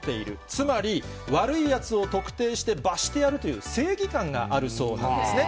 つまり、悪いやつを特定して、罰してやるという正義感があるそうなんですね。